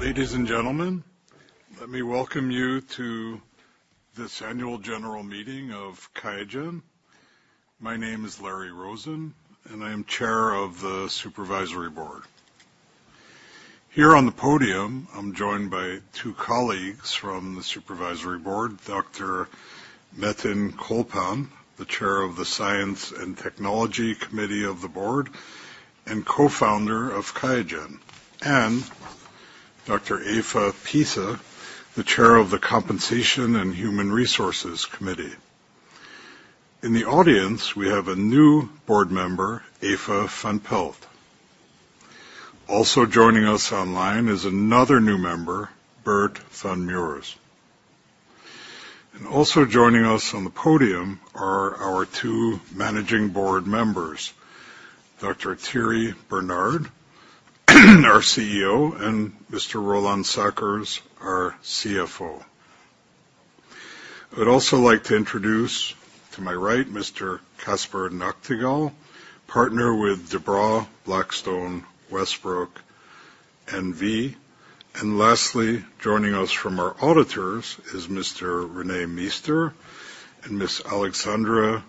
Ladies and gentlemen, let me welcome you to this annual general meeting of Qiagen. My name is Larry Rosen, and I am chair of the Supervisory Board. Here on the podium, I'm joined by two colleagues from the Supervisory Board, Dr. Metin Colpan, the chair of the Science and Technology Committee of the Board and co-founder of Qiagen, and Dr. Eva Pisa, the chair of the Compensation and Human Resources Committee. In the audience, we have a new board member, Eva van Pelt. Also joining us online is another new member, Bert van Meurs. And also joining us on the podium are our two managing board members, Dr. Thierry Bernard, our CEO, and Mr. Roland Sackers, our CFO. I would also like to introduce, to my right, Mr. Casper Nagtegaal, partner with De Brauw Blackstone Westbroek. And lastly, joining us from our auditors is Mr. René Meester and Ms. Aleksandra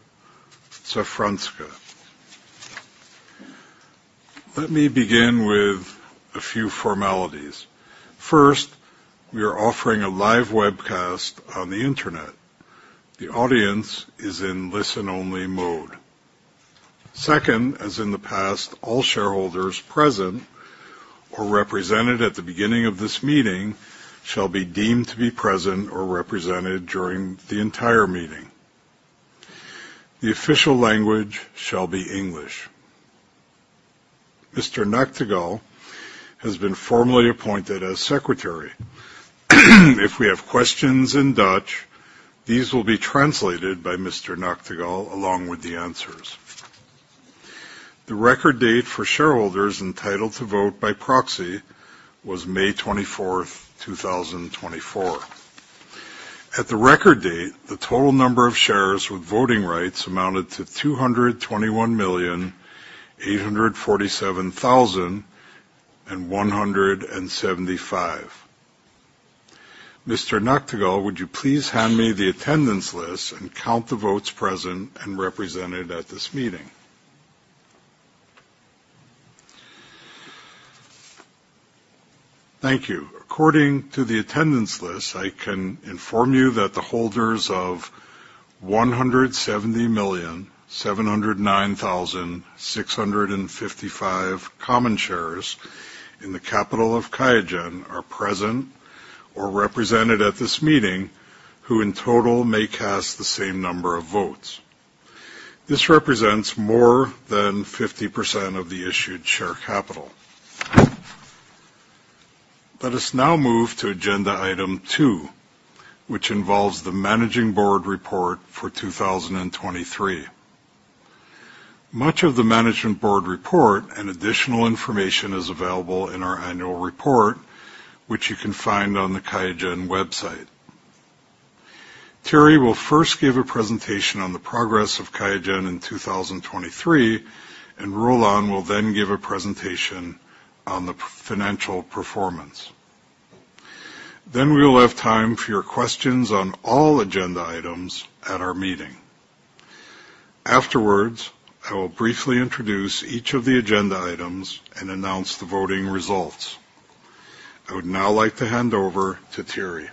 Szafranska. Let me begin with a few formalities. First, we are offering a live webcast on the internet. The audience is in listen-only mode. Second, as in the past, all shareholders present or represented at the beginning of this meeting shall be deemed to be present or represented during the entire meeting. The official language shall be English. Mr. Nagtegaal has been formally appointed as secretary. If we have questions in Dutch, these will be translated by Mr. Nagtegaal along with the answers. The record date for shareholders entitled to vote by proxy was May 24th, 2024. At the record date, the total number of shares with voting rights amounted to 221,847,175. Mr. Nagtegaal, would you please hand me the attendance list and count the votes present and represented at this meeting? Thank you. According to the attendance list, I can inform you that the holders of 170,709,655 common shares in the capital of Qiagen are present or represented at this meeting, who in total may cast the same number of votes. This represents more than 50% of the issued share capital. Let us now move to agenda item two, which involves the managing board report for 2023. Much of the management board report and additional information is available in our annual report, which you can find on the Qiagen website. Thierry will first give a presentation on the progress of Qiagen in 2023, and Roland will then give a presentation on the financial performance. Then we will have time for your questions on all agenda items at our meeting. Afterwards, I will briefly introduce each of the agenda items and announce the voting results. I would now like to hand over to Thierry.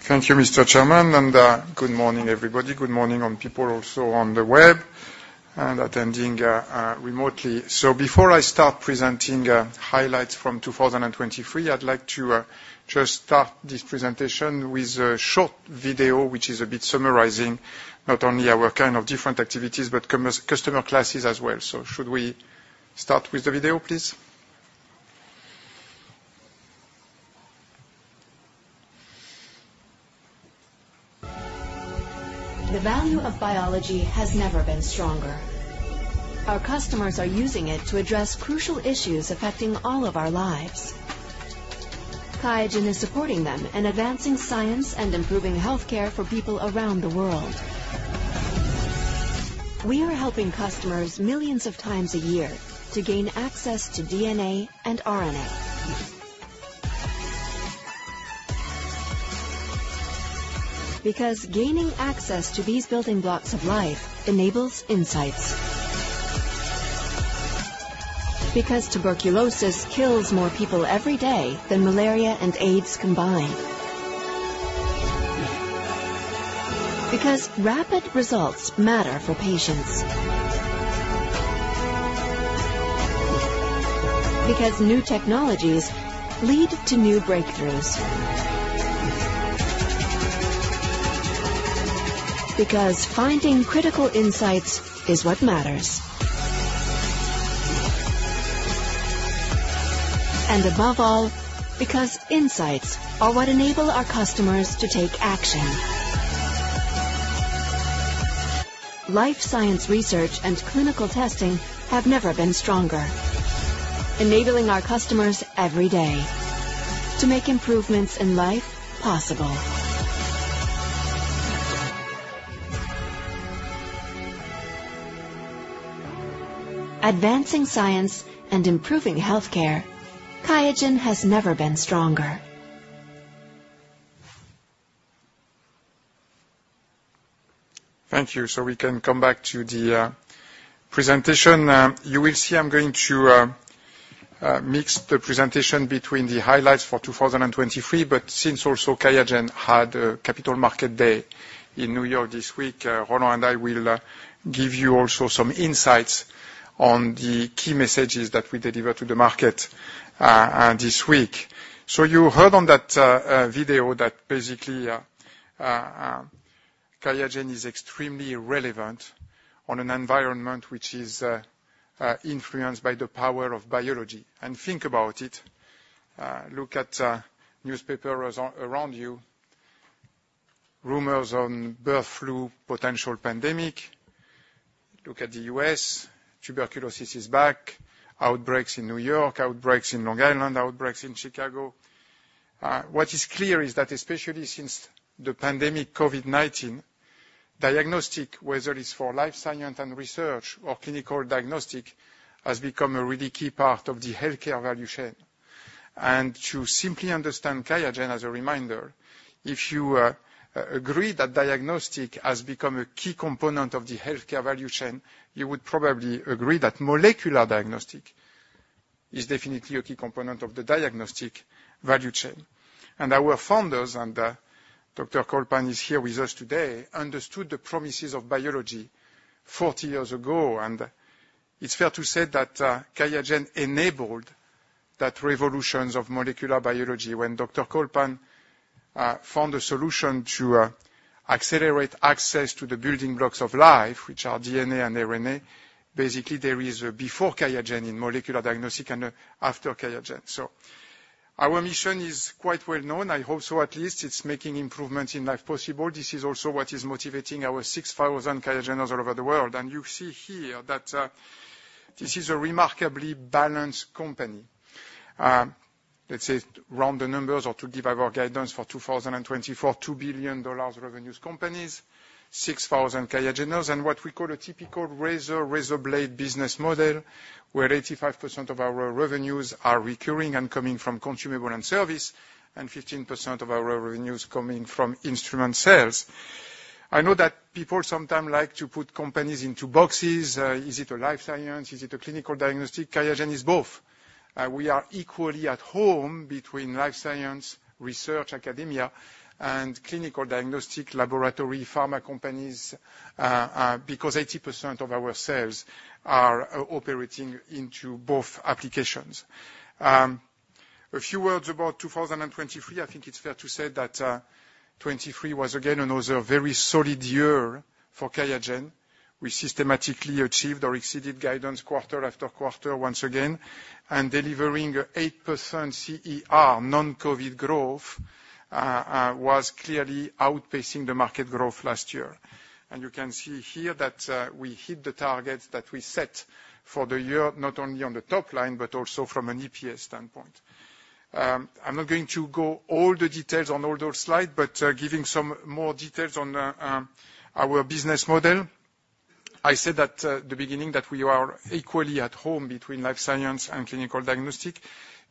Thank you, Mr. Chairman, and good morning, everybody. Good morning to people also on the web and attending remotely. So before I start presenting highlights from 2023, I'd like to just start this presentation with a short video which is a bit summarizing not only our kind of different activities but customer classes as well. So should we start with the video, please? The value of biology has never been stronger. Our customers are using it to address crucial issues affecting all of our lives. Qiagen is supporting them and advancing science and improving healthcare for people around the world. We are helping customers millions of times a year to gain access to DNA and RNA. Because gaining access to these building blocks of life enables insights. Because tuberculosis kills more people every day than malaria and AIDS combined. Because rapid results matter for patients. Because new technologies lead to new breakthroughs. Because finding critical insights is what matters, and above all, because insights are what enable our customers to take action. Life science research and clinical testing have never been stronger, enabling our customers every day to make improvements in life possible. Advancing science and improving healthcare, Qiagen has never been stronger. Thank you. So we can come back to the presentation. You will see I'm going to mix the presentation between the highlights for 2023, but since also Qiagen had a capital market day in New York this week, Roland and I will give you also some insights on the key messages that we deliver to the market this week, so you heard on that video that basically Qiagen is extremely relevant on an environment which is influenced by the power of biology, and think about it. Look at newspapers around you, rumors on bird flu potential pandemic. Look at the U.S., tuberculosis is back, outbreaks in New York, outbreaks in Long Island, outbreaks in Chicago. What is clear is that especially since the pandemic COVID-19, diagnostics, whether it's for life science and research or clinical diagnostics, has become a really key part of the healthcare value chain. And to simply understand Qiagen as a reminder, if you agree that diagnostics has become a key component of the healthcare value chain, you would probably agree that molecular diagnostics is definitely a key component of the diagnostics value chain. And our founders, and Dr. Colpan is here with us today, understood the promises of biology 40 years ago. And it's fair to say that Qiagen enabled that revolution of molecular biology when Dr. Colpan found a solution to accelerate access to the building blocks of life, which are DNA and RNA. Basically, there is a before Qiagen in molecular diagnostics and after Qiagen. So our mission is quite well known. I hope so at least it's making improvements in life possible. This is also what is motivating our 6,000 Qiageners all over the world. And you see here that this is a remarkably balanced company. Let's say round the numbers or to give our guidance for 2024, $2 billion revenues companies, 6,000 Qiageners, and what we call a typical razor-razor blade business model where 85% of our revenues are recurring and coming from consumable and service, and 15% of our revenues coming from instrument sales. I know that people sometimes like to put companies into boxes. Is it a life science? Is it a clinical diagnostic? Qiagen is both. We are equally at home between life science, research, academia, and clinical diagnostic laboratory pharma companies because 80% of our sales are operating into both applications. A few words about 2023. I think it's fair to say that 2023 was again another very solid year for Qiagen. We systematically achieved or exceeded guidance quarter after quarter once again, and delivering an 8% CER, non-COVID growth, was clearly outpacing the market growth last year. You can see here that we hit the targets that we set for the year, not only on the top line, but also from an EPS standpoint. I'm not going to go into all the details on all those slides, but giving some more details on our business model. I said at the beginning that we are equally at home between life science and clinical diagnostic.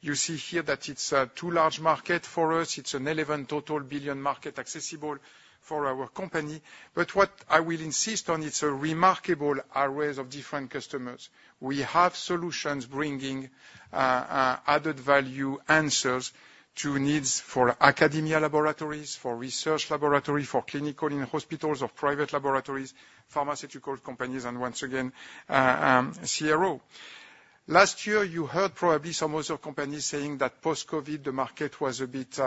You see here that it's a two large market for us. It's a total $11 billion market accessible for our company. But what I will insist on, it's a remarkable array of different customers. We have solutions bringing added value answers to needs for academic laboratories, for research laboratories, for clinical labs in hospitals or private laboratories, pharmaceutical companies, and once again, CRO. Last year, you heard probably some other companies saying that post-COVID, the market was a bit,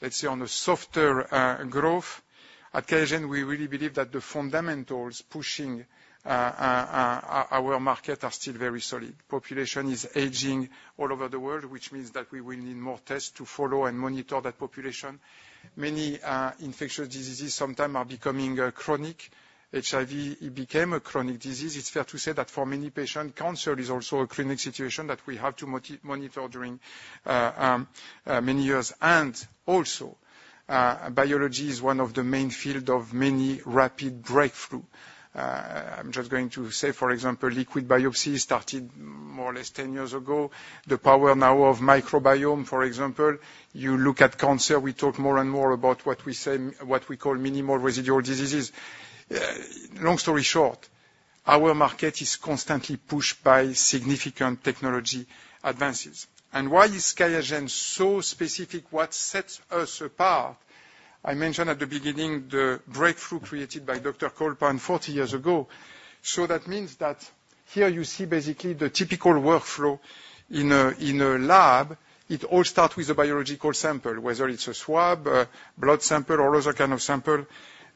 let's say, on a softer growth. At Qiagen, we really believe that the fundamentals pushing our market are still very solid. Population is aging all over the world, which means that we will need more tests to follow and monitor that population. Many infectious diseases sometimes are becoming chronic. HIV became a chronic disease. It's fair to say that for many patients, cancer is also a clinical situation that we have to monitor during many years, and also, biology is one of the main fields of many rapid breakthroughs. I'm just going to say, for example, liquid biopsy started more or less 10 years ago. The power now of microbiome, for example, you look at cancer, we talk more and more about what we call minimal residual diseases. Long story short, our market is constantly pushed by significant technology advances, and why is Qiagen so specific? What sets us apart? I mentioned at the beginning the breakthrough created by Dr. Colpan 40 years ago. So that means that here you see basically the typical workflow in a lab. It all starts with a biological sample, whether it's a swab, blood sample, or other kind of sample.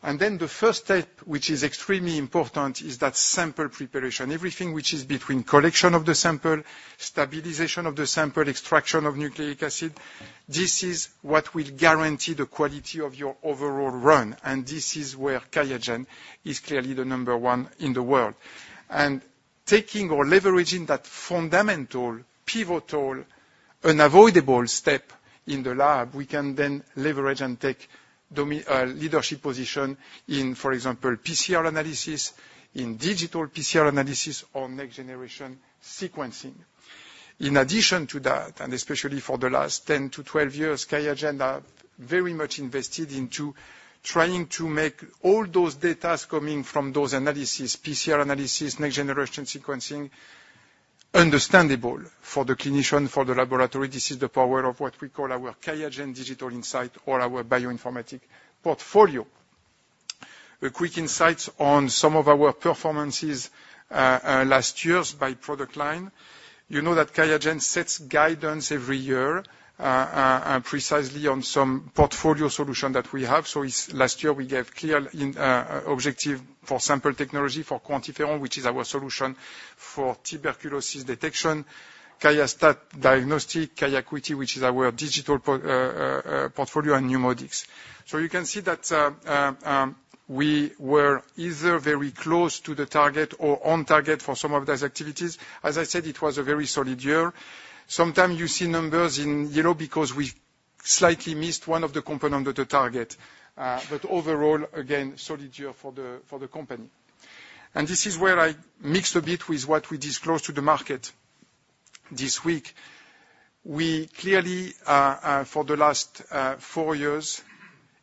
And then the first step, which is extremely important, is that sample preparation. Everything which is between collection of the sample, stabilization of the sample, extraction of nucleic acid, this is what will guarantee the quality of your overall run. And this is where Qiagen is clearly the number one in the world. And taking or leveraging that fundamental pivotal, unavoidable step in the lab, we can then leverage and take a leadership position in, for example, PCR analysis, in digital PCR analysis, or next-generation sequencing. In addition to that, and especially for the last 10-12 years, QIAGEN has very much invested into trying to make all those data coming from those analyses, PCR analysis, next-generation sequencing, understandable for the clinician, for the laboratory. This is the power of what we call our QIAGEN Digital Insights or our bioinformatic portfolio. A quick insight on some of our performances last years by product line. You know that QIAGEN sets guidance every year precisely on some portfolio solutions that we have. So last year, we gave clear objectives for sample technology for QuantiFERON, which is our solution for tuberculosis detection, QIAstat-Dx, QIAcuity, which is our digital portfolio, and NeuMoDx. So you can see that we were either very close to the target or on target for some of those activities. As I said, it was a very solid year. Sometimes you see numbers in yellow because we slightly missed one of the components of the target. But overall, again, solid year for the company. And this is where I mixed a bit with what we disclosed to the market this week. We clearly, for the last four years,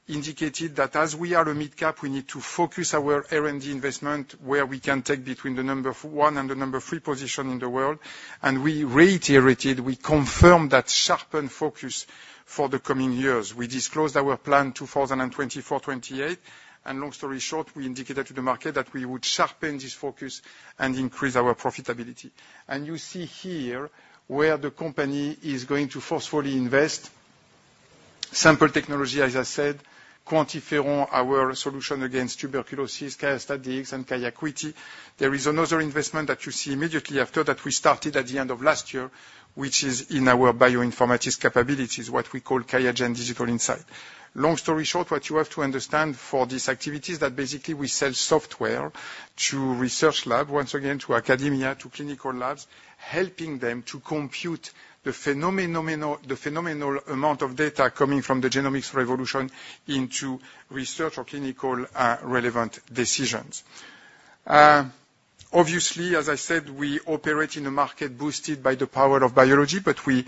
indicated that as we are a mid-cap, we need to focus our R&D investment where we can take between the number one and the number three position in the world. And we reiterated, we confirmed that sharpened focus for the coming years. We disclosed our plan 2024-2028. And long story short, we indicated to the market that we would sharpen this focus and increase our profitability. And you see here where the company is going to forcefully invest. Sample technology, as I said, QuantiFERON, our solution against tuberculosis, QIAstat-Dx, and QIAcuity. There is another investment that you see immediately after that we started at the end of last year, which is in our bioinformatics capabilities, what we call QIAGEN Digital Insights. Long story short, what you have to understand for these activities is that basically we sell software to research labs, once again to academia, to clinical labs, helping them to compute the phenomenal amount of data coming from the genomics revolution into research or clinical relevant decisions. Obviously, as I said, we operate in a market boosted by the power of biology, but we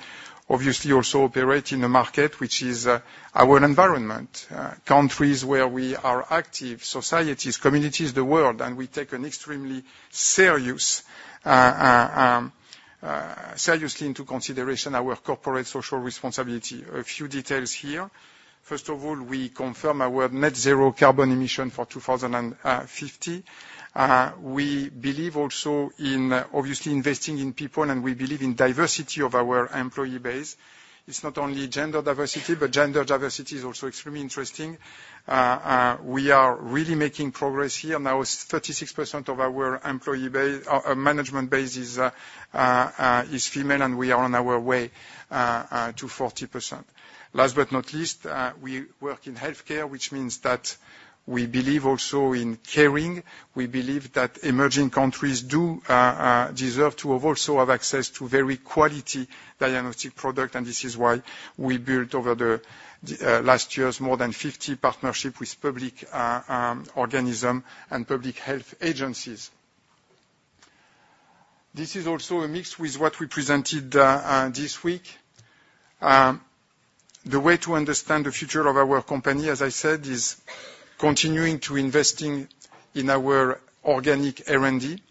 obviously also operate in a market which is our environment, countries where we are active, societies, communities, the world, and we take an extremely seriously into consideration our corporate social responsibility. A few details here. First of all, we confirm our net zero carbon emission for 2050. We believe also in obviously investing in people, and we believe in diversity of our employee base. It's not only gender diversity, but gender diversity is also extremely interesting. We are really making progress here. Now, 36% of our employee management base is female, and we are on our way to 40%. Last but not least, we work in healthcare, which means that we believe also in caring. We believe that emerging countries do deserve to also have access to very quality diagnostic products, and this is why we built over the last years more than 50 partnerships with public organisms and public health agencies. This is also a mix with what we presented this week. The way to understand the future of our company, as I said, is continuing to invest in our organic R&D.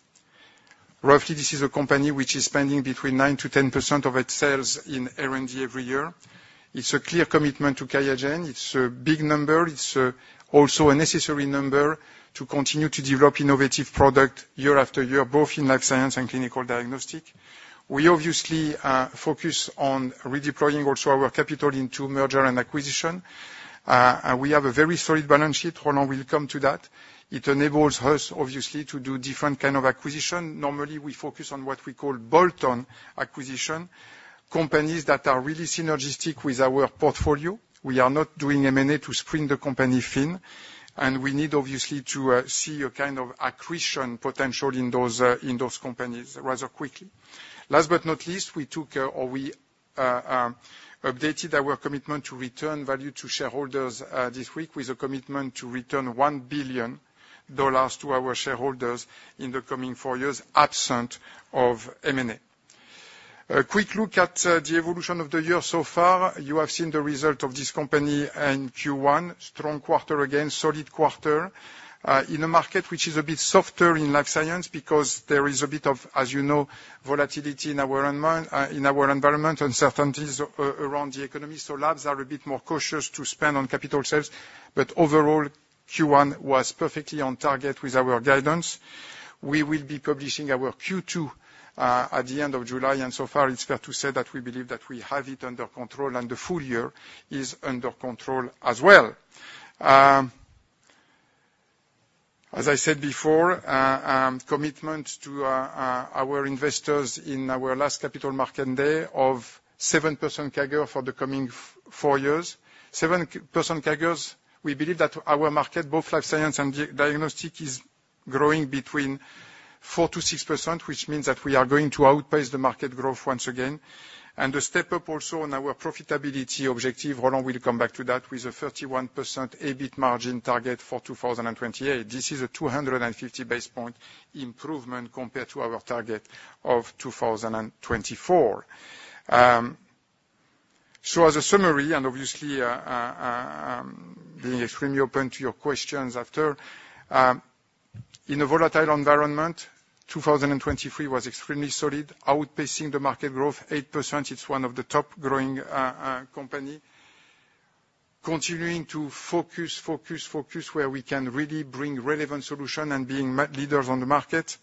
Roughly, this is a company which is spending between 9%-10% of its sales in R&D every year. It's a clear commitment to Qiagen. It's a big number. It's also a necessary number to continue to develop innovative products year after year, both in life science and clinical diagnostic. We obviously focus on redeploying also our capital into merger and acquisition. We have a very solid balance sheet. Roland will come to that. It enables us, obviously, to do different kinds of acquisitions. Normally, we focus on what we call bolt-on acquisition, companies that are really synergistic with our portfolio. We are not doing M&A to spring the company thin. And we need obviously to see a kind of accretion potential in those companies rather quickly. Last but not least, we took or we updated our commitment to return value to shareholders this week with a commitment to return $1 billion to our shareholders in the coming four years absent of M&A. A quick look at the evolution of the year so far. You have seen the result of this company in Q1. Strong quarter again, solid quarter. In a market which is a bit softer in life science because there is a bit of, as you know, volatility in our environment, uncertainties around the economy. So labs are a bit more cautious to spend on capital sales. But overall, Q1 was perfectly on target with our guidance. We will be publishing our Q2 at the end of July, and so far, it's fair to say that we believe that we have it under control and the full year is under control as well. As I said before, commitment to our investors in our last capital market day of 7% CAGR for the coming four years. 7% CAGR, we believe that our market, both life science and diagnostic, is growing between 4%-6%, which means that we are going to outpace the market growth once again. The step up also on our profitability objective, Roland will come back to that, with a 31% EBIT margin target for 2028. This is a 250 basis point improvement compared to our target of 2024. As a summary, and obviously being extremely open to your questions after, in a volatile environment, 2023 was extremely solid, outpacing the market growth 8%. It is one of the top growing companies. Continuing to focus, focus, focus where we can really bring relevant solutions and being leaders on the market.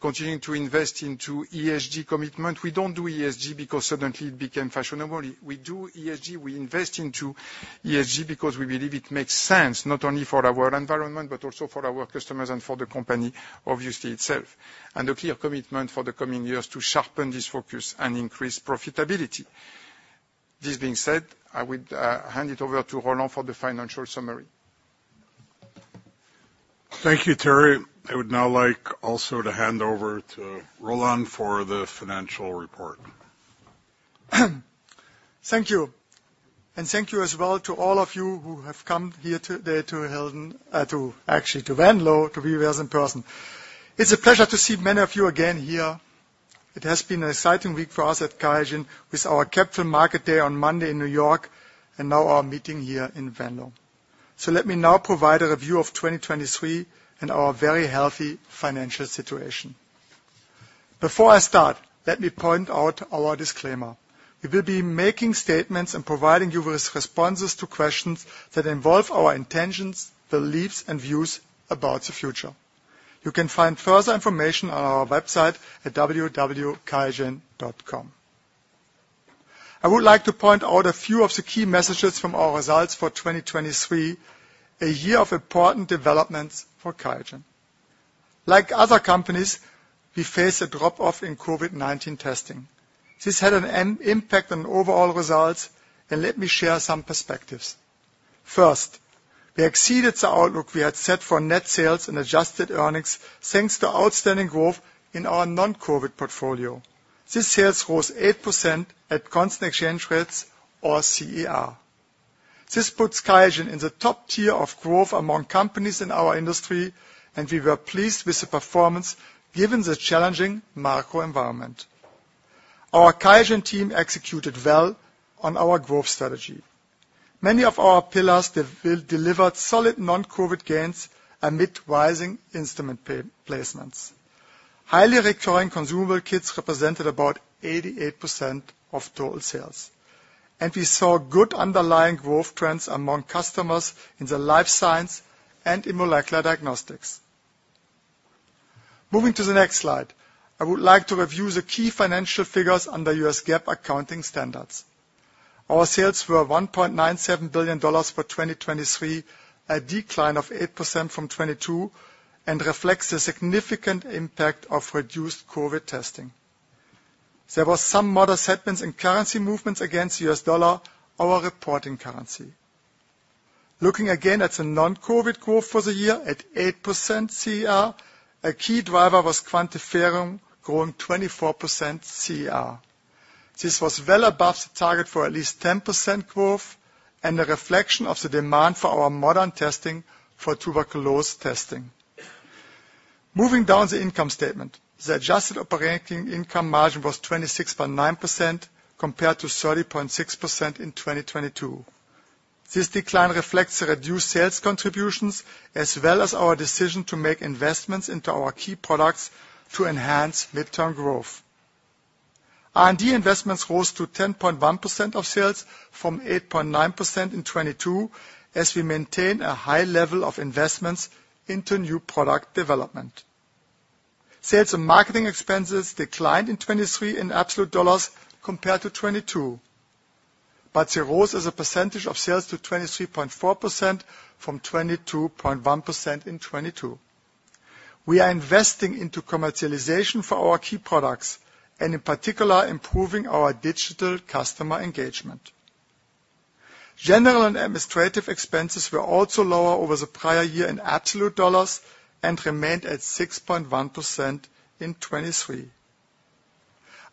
Continuing to invest into ESG commitment. We don't do ESG because suddenly it became fashionable. We do ESG. We invest into ESG because we believe it makes sense not only for our environment, but also for our customers and for the company obviously itself, and a clear commitment for the coming years to sharpen this focus and increase profitability. This being said, I would hand it over to Roland for the financial summary. Thank you, Thierry. I would now like also to hand over to Roland for the financial report. Thank you, and thank you as well to all of you who have come here today to Helden, actually to Venlo to be with us in person. It's a pleasure to see many of you again here. It has been an exciting week for us at Qiagen with our capital market day on Monday in New York and now our meeting here in Venlo. Let me now provide a review of 2023 and our very healthy financial situation. Before I start, let me point out our disclaimer. We will be making statements and providing you with responses to questions that involve our intentions, beliefs, and views about the future. You can find further information on our website at www.qiagen.com. I would like to point out a few of the key messages from our results for 2023, a year of important developments for Qiagen. Like other companies, we faced a drop-off in COVID-19 testing. This had an impact on overall results, and let me share some perspectives. First, we exceeded the outlook we had set for net sales and adjusted earnings thanks to outstanding growth in our non-COVID portfolio. This sales rose 8% at constant exchange rates or CER. This puts Qiagen in the top tier of growth among companies in our industry, and we were pleased with the performance given the challenging macro environment. Our Qiagen team executed well on our growth strategy. Many of our pillars delivered solid non-COVID gains amid rising instrument placements. Highly recurring consumable kits represented about 88% of total sales. And we saw good underlying growth trends among customers in the life science and in molecular diagnostics. Moving to the next slide, I would like to review the key financial figures under U.S. GAAP accounting standards. Our sales were $1.97 billion for 2023, a decline of 8% from 2022, and reflects the significant impact of reduced COVID testing. There were some modest headwinds in currency movements against the U.S. dollar, our reporting currency. Looking again at the non-COVID growth for the year at 8% CER, a key driver was QuantiFERON growing 24% CER. This was well above the target for at least 10% growth and a reflection of the demand for our modern testing for tuberculosis testing. Moving down the income statement, the adjusted operating income margin was 26.9% compared to 30.6% in 2022. This decline reflects reduced sales contributions as well as our decision to make investments into our key products to enhance mid-term growth. R&D investments rose to 10.1% of sales from 8.9% in 2022 as we maintain a high level of investments into new product development. Sales and marketing expenses declined in 2023 in absolute dollars compared to 2022, but it rose as a percentage of sales to 23.4% from 22.1% in 2022. We are investing into commercialization for our key products and in particular improving our digital customer engagement. General and administrative expenses were also lower over the prior year in absolute dollars and remained at 6.1% in 2023.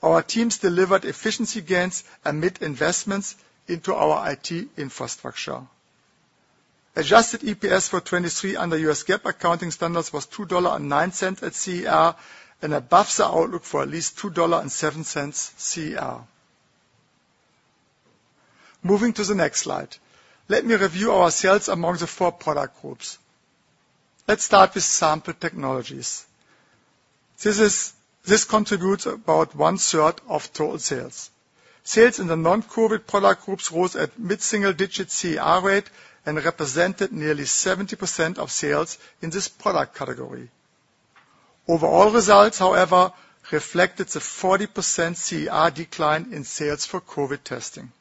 Our teams delivered efficiency gains amid investments into our IT infrastructure. Adjusted EPS for 2023 under U.S. GAAP accounting standards was $2.09 at CER and above the outlook for at least $2.07 CER. Moving to the next slide, let me review our sales among the four product groups. Let's start with sample technologies. This contributes about 1/3 of total sales. Sales in the non-COVID product groups rose at mid-single-digit CER rate and represented nearly 70% of sales in this product category. Overall results, however, reflected the 40% CER decline in sales for COVID testing.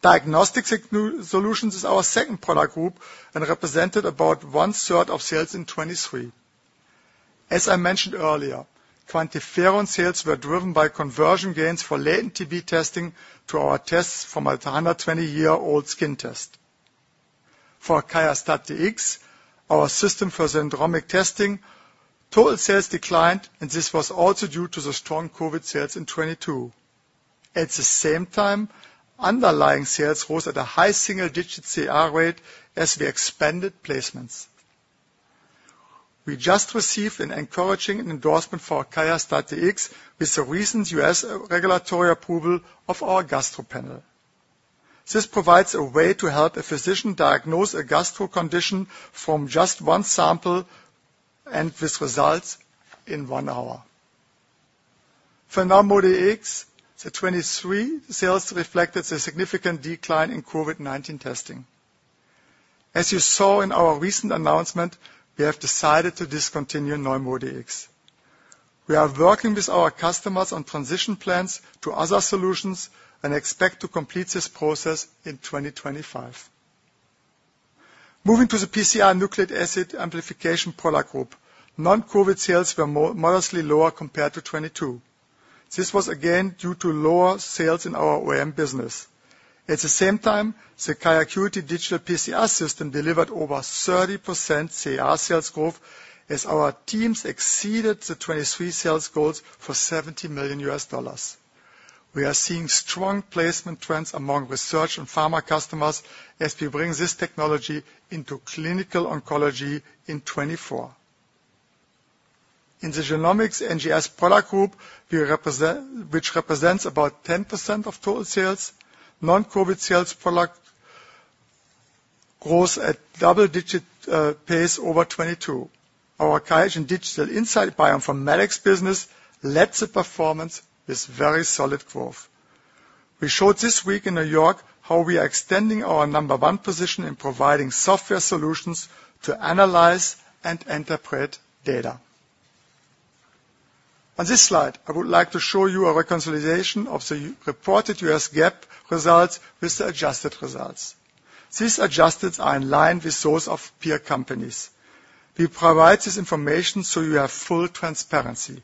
Diagnostic solutions is our second product group and represented about 1/3 of sales in 2023. As I mentioned earlier, QuantiFERON sales were driven by conversion gains for latent TB testing to our tests from a 120-year-old skin test. For QIAstat-Dx, our system for syndromic testing, total sales declined, and this was also due to the strong COVID sales in 2022. At the same time, underlying sales rose at a high single-digit CER rate as we expanded placements. We just received an encouraging endorsement for QIAstat-Dx with the recent U.S. regulatory approval of our gastro panel. This provides a way to help a physician diagnose a gastro condition from just one sample and with results in one hour. For NeuMoDx, the 2023 sales reflected a significant decline in COVID-19 testing. As you saw in our recent announcement, we have decided to discontinue NeuMoDx. We are working with our customers on transition plans to other solutions and expect to complete this process in 2025. Moving to the PCR nucleic acid amplification product group, non-COVID sales were modestly lower compared to 2022. This was again due to lower sales in our OEM business. At the same time, the Qiagen Digital PCR system delivered over 30% CER sales growth as our teams exceeded the 2023 sales goals for $70 million. We are seeing strong placement trends among research and pharma customers as we bring this technology into clinical oncology in 2024. In the genomics NGS product group, which represents about 10% of total sales, non-COVID sales product grows at double-digit pace over 2022. Our Qiagen Digital Insights Bioinformatics business led the performance with very solid growth. We showed this week in New York how we are extending our number one position in providing software solutions to analyze and interpret data. On this slide, I would like to show you a reconciliation of the reported U.S. GAAP results with the adjusted results. These adjustments are in line with those of peer companies. We provide this information so you have full transparency.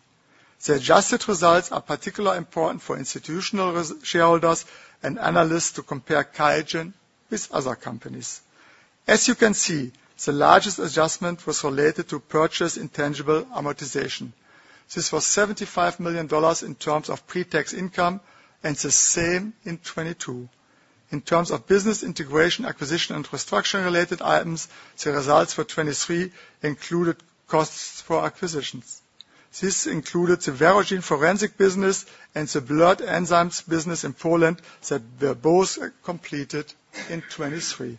The adjusted results are particularly important for institutional shareholders and analysts to compare Qiagen with other companies. As you can see, the largest adjustment was related to purchased intangible amortization. This was $75 million in terms of pre-tax income and the same in 2022. In terms of business integration, acquisition, and construction-related items, the results for 2023 included costs for acquisitions. This included the Verogen forensic business and the blood enzymes business in Poland that were both completed in 2023.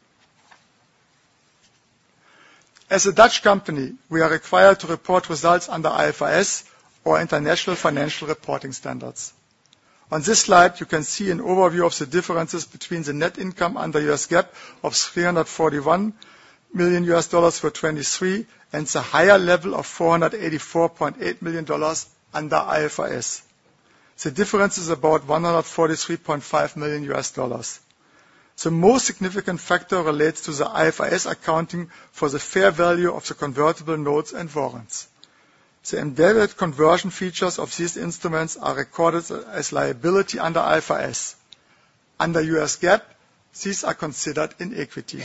As a Dutch company, we are required to report results under IFRS or International Financial Reporting Standards. On this slide, you can see an overview of the differences between the net income under U.S. GAAP of $341 million for 2023 and the higher level of $484.8 million under IFRS. The difference is about $143.5 million. The most significant factor relates to the IFRS accounting for the fair value of the convertible notes and warrants. The embedded conversion features of these instruments are recorded as liability under IFRS. Under U.S. GAAP, these are considered in equity.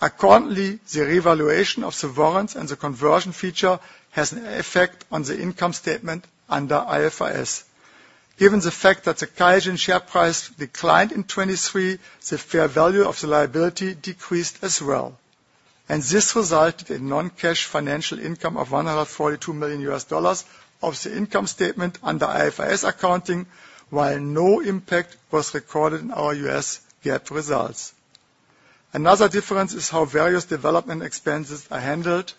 Accordingly, the revaluation of the warrants and the conversion feature has an effect on the income statement under IFRS. Given the fact that the Qiagen share price declined in 2023, the fair value of the liability decreased as well, and this resulted in non-cash financial income of $142 million on the income statement under IFRS accounting, while no impact was recorded in our U.S. GAAP results. Another difference is how various development expenses are handled.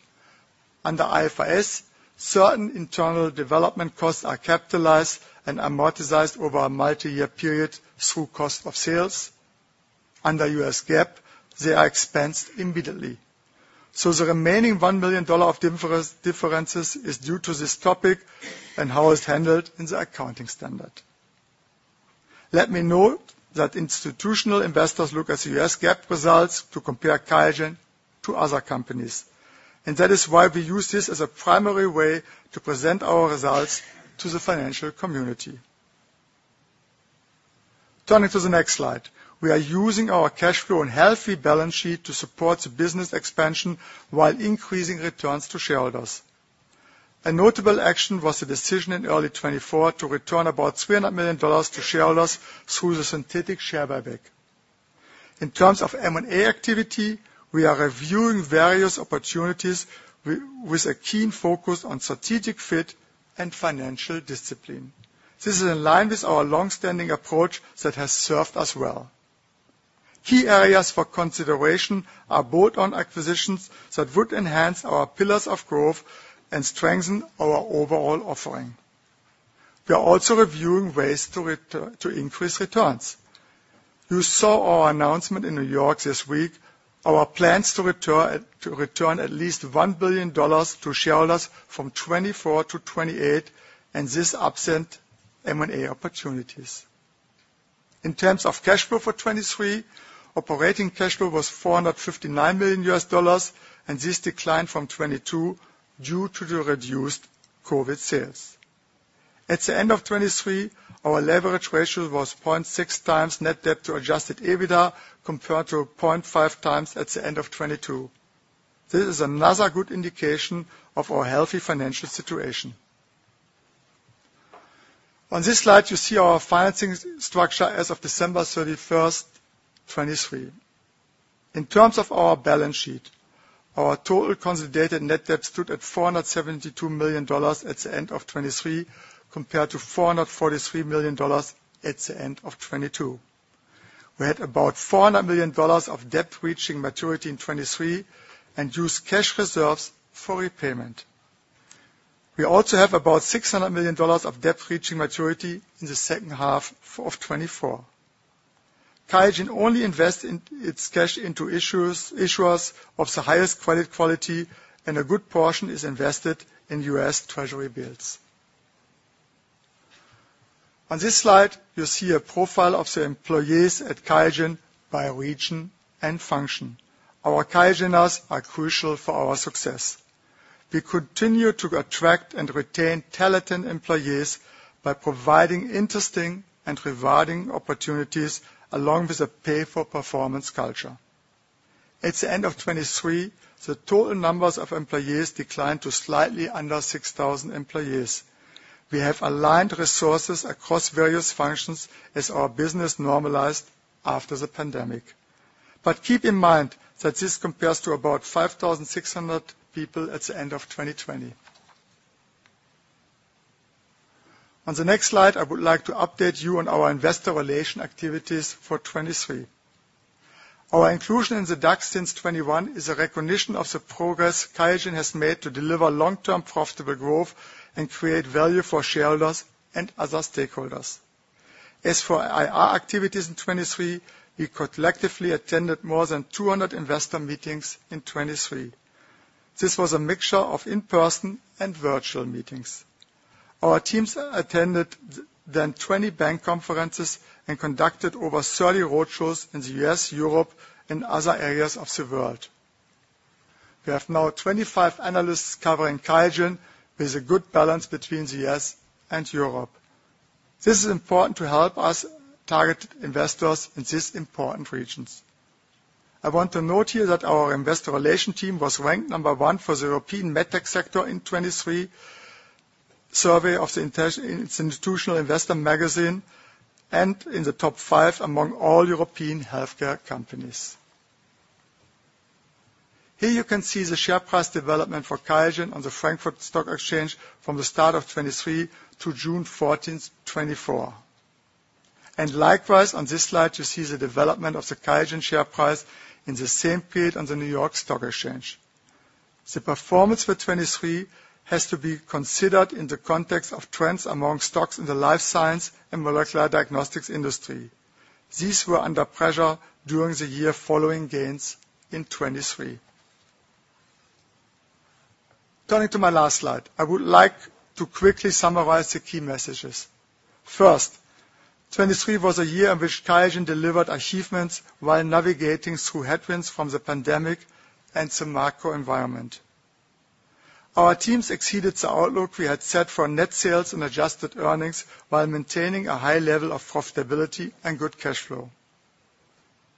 Under IFRS, certain internal development costs are capitalized and amortized over a multi-year period through cost of sales. Under U.S. GAAP, they are expensed immediately. So the remaining $1 million of differences is due to this topic and how it's handled in the accounting standard. Let me note that institutional investors look at the U.S. GAAP results to compare Qiagen to other companies. And that is why we use this as a primary way to present our results to the financial community. Turning to the next slide, we are using our cash flow and healthy balance sheet to support the business expansion while increasing returns to shareholders. A notable action was the decision in early 2024 to return about $300 million to shareholders through the synthetic share buyback. In terms of M&A activity, we are reviewing various opportunities with a keen focus on strategic fit and financial discipline. This is in line with our long-standing approach that has served us well. Key areas for consideration are bolt-on acquisitions that would enhance our pillars of growth and strengthen our overall offering. We are also reviewing ways to increase returns. You saw our announcement in New York this week. Our plans to return at least $1 billion to shareholders from 2024 to 2028, and this upsets M&A opportunities. In terms of cash flow for 2023, operating cash flow was $459 million, and this declined from 2022 due to the reduced COVID sales. At the end of 2023, our leverage ratio was 0.6x net debt to adjusted EBITDA compared to 0.5x at the end of 2022. This is another good indication of our healthy financial situation. On this slide, you see our financing structure as of December 31st, 2023. In terms of our balance sheet, our total consolidated net debt stood at $472 million at the end of 2023 compared to $443 million at the end of 2022. We had about $400 million of debt reaching maturity in 2023 and used cash reserves for repayment. We also have about $600 million of debt reaching maturity in the second half of 2024. Qiagen only invests its cash into issuers of the highest credit quality, and a good portion is invested in U.S. Treasury bills. On this slide, you see a profile of the employees at Qiagen by region and function. Our Qiageners are crucial for our success. We continue to attract and retain talented employees by providing interesting and rewarding opportunities along with a pay-for-performance culture. At the end of 2023, the total numbers of employees declined to slightly under 6,000 employees. We have aligned resources across various functions as our business normalized after the pandemic. But keep in mind that this compares to about 5,600 people at the end of 2020. On the next slide, I would like to update you on our investor relations activities for 2023. Our inclusion in the DAX since 2021 is a recognition of the progress Qiagen has made to deliver long-term profitable growth and create value for shareholders and other stakeholders. As for IR activities in 2023, we collectively attended more than 200 investor meetings in 2023. This was a mixture of in-person and virtual meetings. Our teams attended 20 bank conferences and conducted over 30 roadshows in the U.S., Europe, and other areas of the world. We have now 25 analysts covering Qiagen with a good balance between the U.S. and Europe. This is important to help us target investors in these important regions. I want to note here that our investor relations team was ranked number one for the European medtech sector in 2023 survey of the Institutional Investor Magazine and in the top five among all European healthcare companies. Here you can see the share price development for Qiagen on the Frankfurt Stock Exchange from the start of 2023 to June 14th, 2024. And likewise, on this slide, you see the development of the Qiagen share price in the same period on the New York Stock Exchange. The performance for 2023 has to be considered in the context of trends among stocks in the life science and molecular diagnostics industry. These were under pressure during the year following gains in 2023. Turning to my last slide, I would like to quickly summarize the key messages. First, 2023 was a year in which QIAGEN delivered achievements while navigating through headwinds from the pandemic and the macro environment. Our teams exceeded the outlook we had set for net sales and adjusted earnings while maintaining a high level of profitability and good cash flow.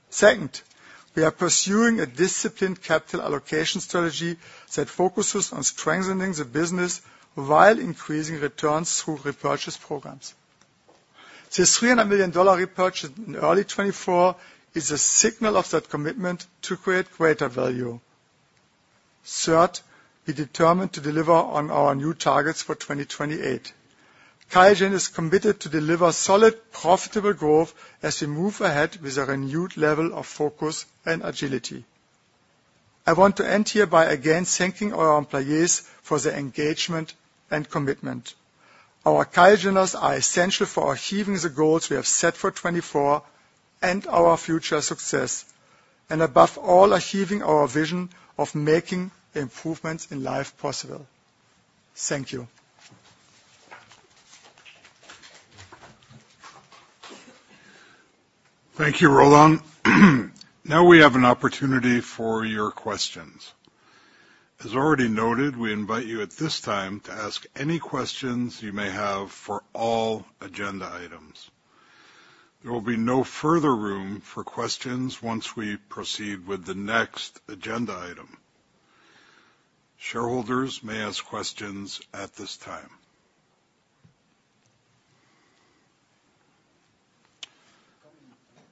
Second, we are pursuing a disciplined capital allocation strategy that focuses on strengthening the business while increasing returns through repurchase programs. The $300 million repurchase in early 2024 is a signal of that commitment to create greater value. Third, we are determined to deliver on our new targets for 2028. QIAGEN is committed to deliver solid, profitable growth as we move ahead with a renewed level of focus and agility. I want to end here by again thanking our employees for their engagement and commitment. Our Qiageners are essential for achieving the goals we have set for 2024 and our future success, and above all, achieving our vision of making improvements in life possible. Thank you. Thank you, Roland. Now we have an opportunity for your questions. As already noted, we invite you at this time to ask any questions you may have for all agenda items. There will be no further room for questions once we proceed with the next agenda item. Shareholders may ask questions at this time.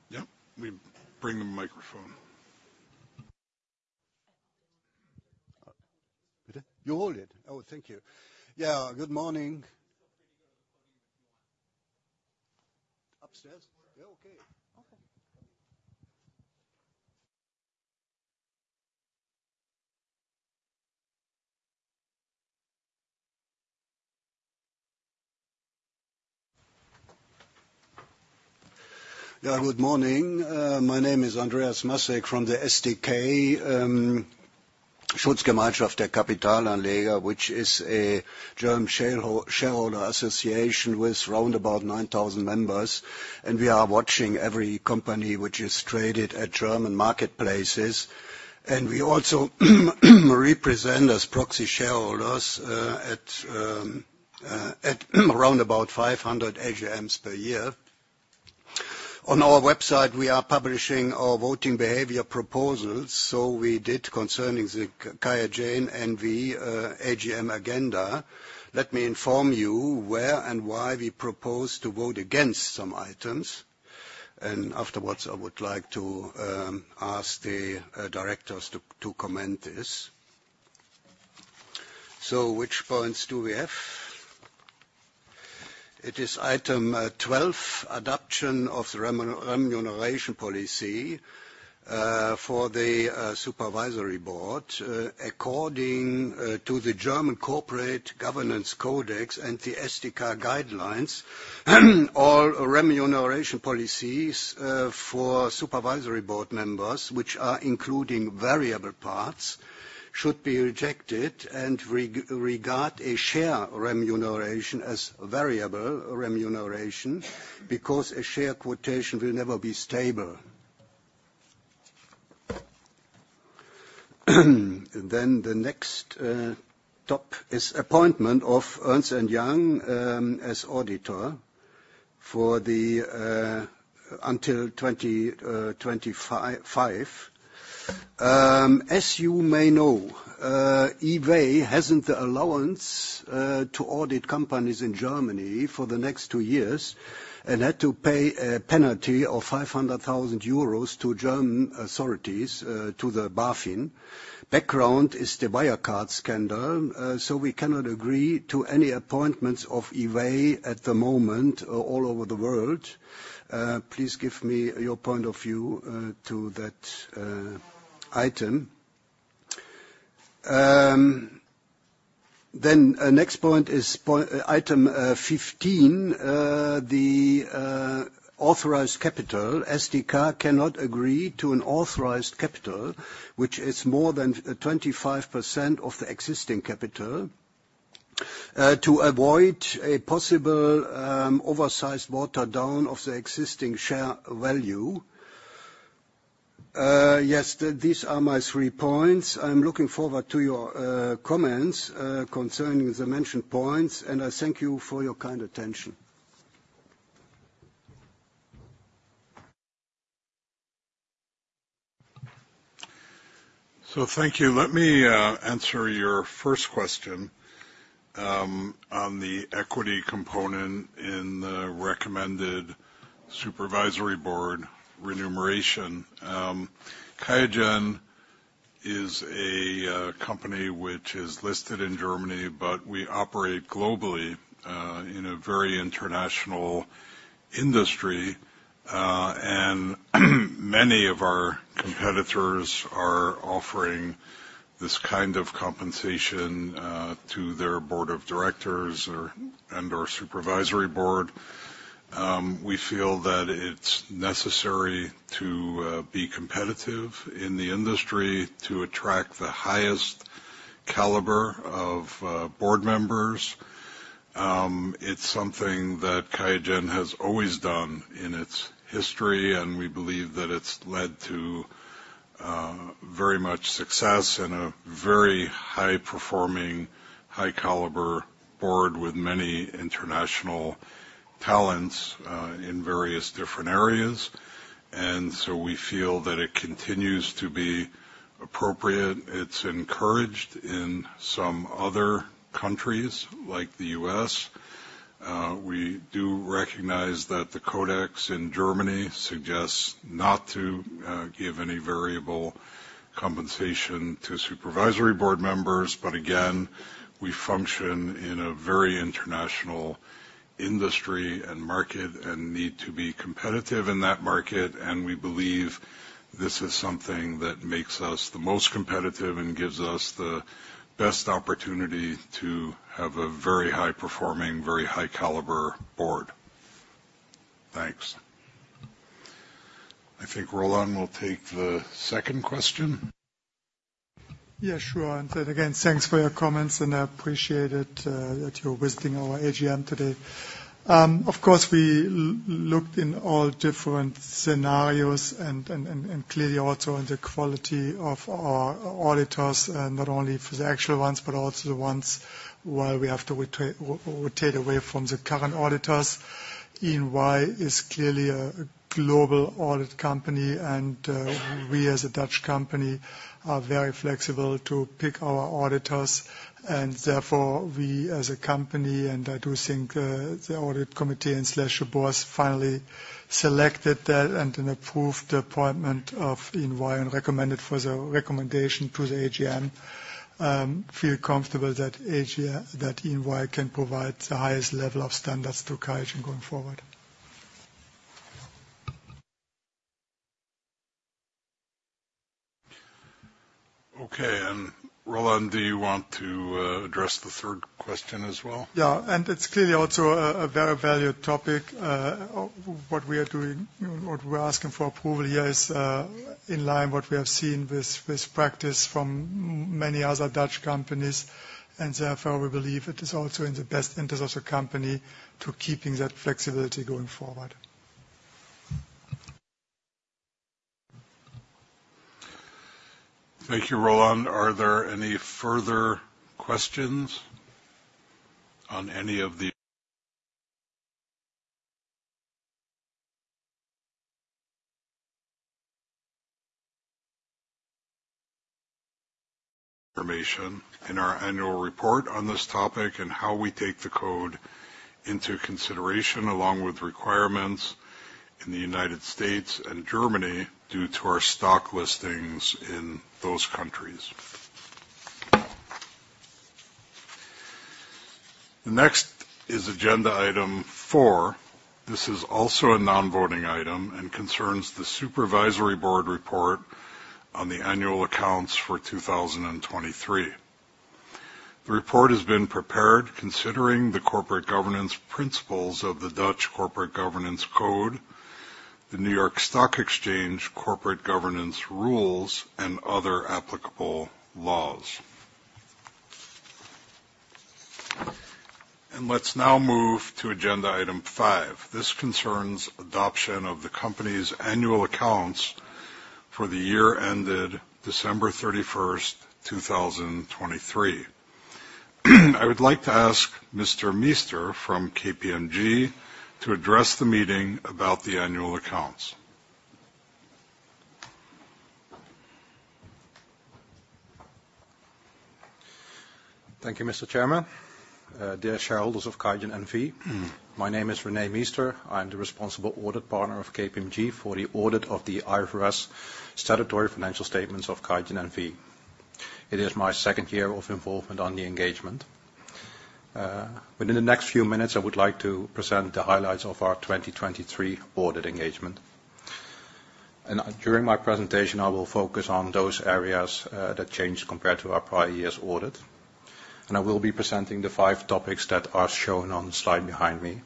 Yep, we bring the microphone. You hold it. Oh, thank you. Yeah, good morning. Upstairs? Yeah, okay. Yeah, good morning. My name is Andreas Masek from the SdK, Schutzgemeinschaft der Kapitalanleger, which is a German shareholder association with round about 9,000 members, and we are watching every company which is traded at German marketplaces. We also represent as proxy shareholders at round about 500 AGMs per year. On our website, we are publishing our voting behavior proposals. We did concerning the Qiagen and the AGM agenda. Let me inform you where and why we propose to vote against some items. Afterwards, I would like to ask the directors to comment this. Which points do we have? It is item 12, adoption of the remuneration policy for the supervisory board. According to the German Corporate Governance Codex and the SdK guidelines, all remuneration policies for supervisory board members, which are including variable parts, should be rejected and regard a share remuneration as variable remuneration because a share quotation will never be stable. The next topic is appointment of Ernst & Young as auditor until 2025. As you may know, EY doesn't have the allowance to audit companies in Germany for the next two years and had to pay a penalty of EUR 500,000 to German authorities, to the BaFin. Background is the Wirecard scandal. So we cannot agree to any appointments of EY at the moment all over the world. Please give me your point of view to that item. Then next point is item 15. The authorized capital, SdK, cannot agree to an authorized capital, which is more than 25% of the existing capital, to avoid a possible oversized watering down of the existing share value. Yes, these are my three points. I'm looking forward to your comments concerning the mentioned points, and I thank you for your kind attention. So thank you. Let me answer your first question on the equity component in the recommended supervisory board remuneration. Qiagen is a company which is listed in Germany, but we operate globally in a very international industry, and many of our competitors are offering this kind of compensation to their board of directors and/or supervisory board. We feel that it's necessary to be competitive in the industry to attract the highest caliber of board members. It's something that Qiagen has always done in its history, and we believe that it's led to very much success and a very high-performing, high-caliber board with many international talents in various different areas. So we feel that it continues to be appropriate. It's encouraged in some other countries like the U.S. We do recognize that the Code in Germany suggests not to give any variable compensation to supervisory board members, but again, we function in a very international industry and market and need to be competitive in that market. We believe this is something that makes us the most competitive and gives us the best opportunity to have a very high-performing, very high-caliber board. Thanks. I think Roland will take the second question. Yeah, sure. Again, thanks for your comments, and I appreciate it that you're visiting our AGM today. Of course, we looked in all different scenarios and clearly also on the quality of our auditors, not only for the actual ones, but also the ones where we have to rotate away from the current auditors. E&Y is clearly a global audit company, and we as a Dutch company are very flexible to pick our auditors. And therefore, we as a company, and I do think the audit committee and slash the board finally selected that and then approved the appointment of E&Y and recommended for the recommendation to the AGM, feel comfortable that E&Y can provide the highest level of standards to Qiagen going forward. Okay. And Roland, do you want to address the third question as well? Yeah. And it's clearly also a very valued topic. What we are doing, what we're asking for approval here is in line with what we have seen with practice from many other Dutch companies. And therefore, we believe it is also in the best interest of the company to keep that flexibility going forward. Thank you, Roland. Are there any further questions on any of the information in our annual report on this topic and how we take the code into consideration along with requirements in the United States and Germany due to our stock listings in those countries? The next is agenda item 4. This is also a non-voting item and concerns the supervisory board report on the annual accounts for 2023. The report has been prepared considering the corporate governance principles of the Dutch corporate governance code, the New York Stock Exchange corporate governance rules, and other applicable laws. And let's now move to agenda item 5. This concerns adoption of the company's annual accounts for the year ended December 31st, 2023. I would like to ask Mr. Meester from KPMG to address the meeting about the annual accounts. Thank you, Mr. Chairman. Dear shareholders of Qiagen N.V., my name is René Meester. I'm the responsible audit partner of KPMG for the audit of the IFRS statutory financial statements of Qiagen N.V. It is my second year of involvement on the engagement. Within the next few minutes, I would like to present the highlights of our 2023 audit engagement. During my presentation, I will focus on those areas that changed compared to our prior year's audit. I will be presenting the five topics that are shown on the slide behind me.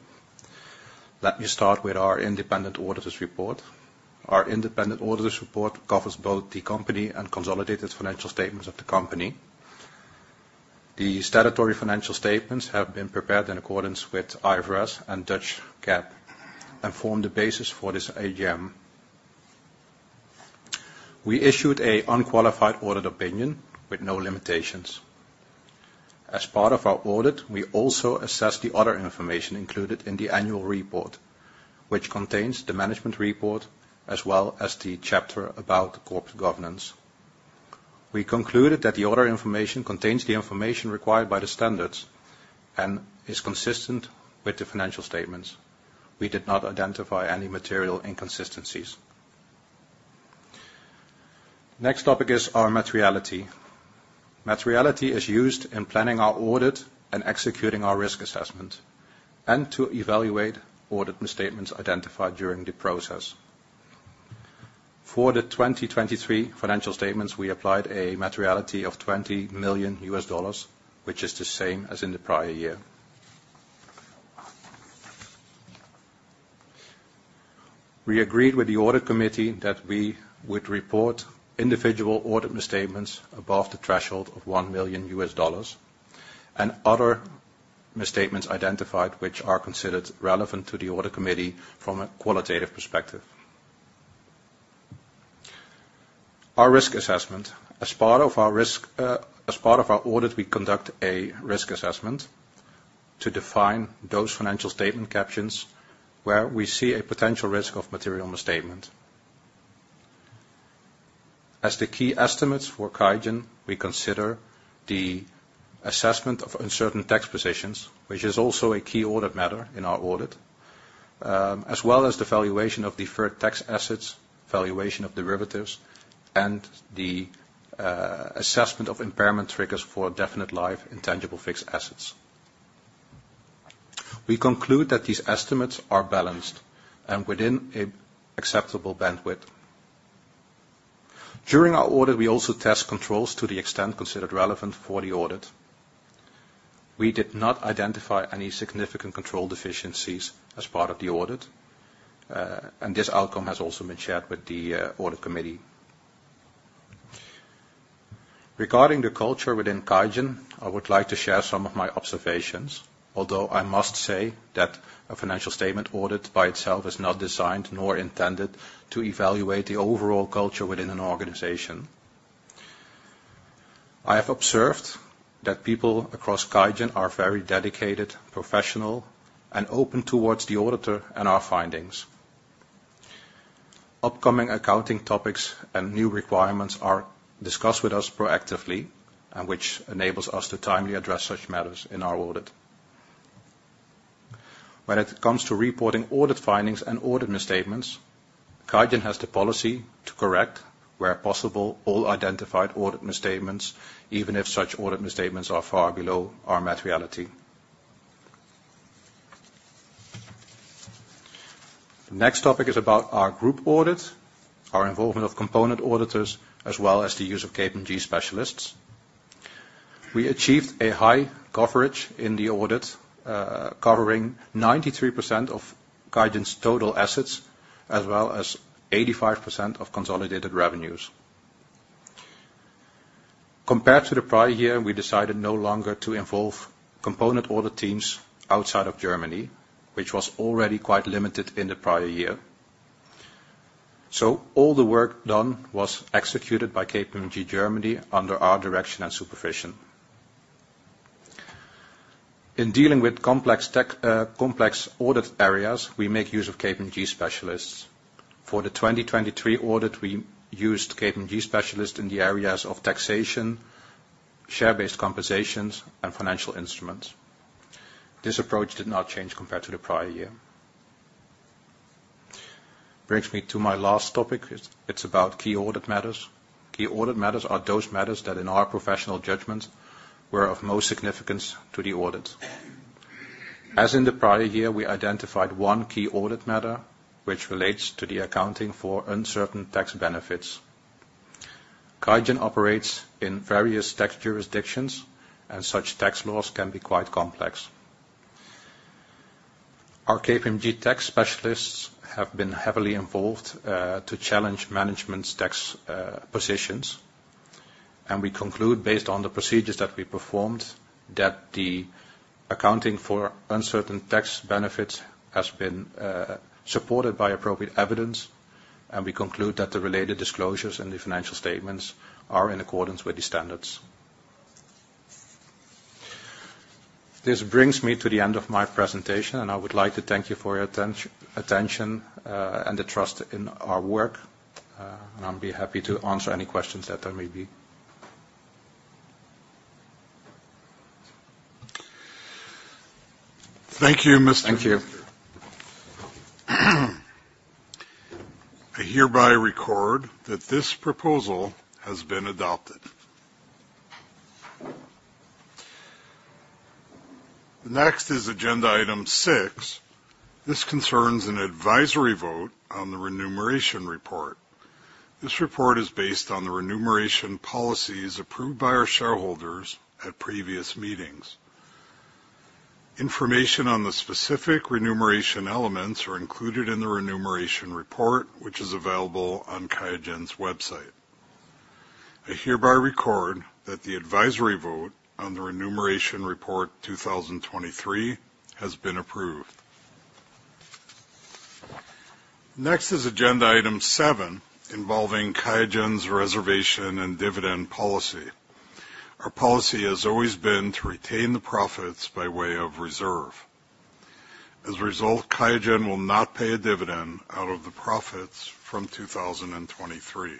Let me start with our independent auditor's report. Our independent auditor's report covers both the company and consolidated financial statements of the company. The statutory financial statements have been prepared in accordance with IFRS and Dutch GAAP and form the basis for this AGM. We issued an unqualified audit opinion with no limitations. As part of our audit, we also assessed the other information included in the annual report, which contains the management report as well as the chapter about corporate governance. We concluded that the other information contains the information required by the standards and is consistent with the financial statements. We did not identify any material inconsistencies. Next topic is our materiality. Materiality is used in planning our audit and executing our risk assessment and to evaluate audit statements identified during the process. For the 2023 financial statements, we applied a materiality of $20 million, which is the same as in the prior year. We agreed with the audit committee that we would report individual audit statements above the threshold of $1 million and other statements identified which are considered relevant to the audit committee from a qualitative perspective. Our risk assessment, as part of our audit, we conduct a risk assessment to define those financial statement captions where we see a potential risk of material misstatement. As the key estimates for Qiagen, we consider the assessment of uncertain tax positions, which is also a key audit matter in our audit, as well as the valuation of deferred tax assets, valuation of derivatives, and the assessment of impairment triggers for definite-lived intangible fixed assets. We conclude that these estimates are balanced and within an acceptable bandwidth. During our audit, we also test controls to the extent considered relevant for the audit. We did not identify any significant control deficiencies as part of the audit, and this outcome has also been shared with the audit committee. Regarding the culture within Qiagen, I would like to share some of my observations, although I must say that a financial statement audit by itself is not designed nor intended to evaluate the overall culture within an organization. I have observed that people across Qiagen are very dedicated, professional, and open towards the auditor and our findings. Upcoming accounting topics and new requirements are discussed with us proactively, which enables us to timely address such matters in our audit. When it comes to reporting audit findings and audit misstatements, Qiagen has the policy to correct, where possible, all identified audit misstatements, even if such audit misstatements are far below our materiality. The next topic is about our group audit, our involvement of component auditors, as well as the use of KPMG specialists. We achieved a high coverage in the audit, covering 93% of Qiagen's total assets, as well as 85% of consolidated revenues. Compared to the prior year, we decided no longer to involve component audit teams outside of Germany, which was already quite limited in the prior year. So all the work done was executed by KPMG Germany under our direction and supervision. In dealing with complex audit areas, we make use of KPMG specialists. For the 2023 audit, we used KPMG specialists in the areas of taxation, share-based compensations, and financial instruments. This approach did not change compared to the prior year. Brings me to my last topic. It's about key audit matters. Key audit matters are those matters that, in our professional judgment, were of most significance to the audit. As in the prior year, we identified one key audit matter which relates to the accounting for uncertain tax benefits. Qiagen operates in various tax jurisdictions, and such tax laws can be quite complex. Our KPMG tax specialists have been heavily involved to challenge management's tax positions, and we conclude, based on the procedures that we performed, that the accounting for uncertain tax benefits has been supported by appropriate evidence, and we conclude that the related disclosures and the financial statements are in accordance with the standards. This brings me to the end of my presentation, and I would like to thank you for your attention and the trust in our work. I'll be happy to answer any questions that there may be. Thank you. I hereby record that this proposal has been adopted. Next is agenda item 6. This concerns an advisory vote on the remuneration report. This report is based on the remuneration policies approved by our shareholders at previous meetings. Information on the specific remuneration elements are included in the remuneration report, which is available on Qiagen's website. I hereby record that the advisory vote on the remuneration report 2023 has been approved. Next is agenda item 7, involving Qiagen's reservation and dividend policy. Our policy has always been to retain the profits by way of reserve. As a result, Qiagen will not pay a dividend out of the profits from 2023.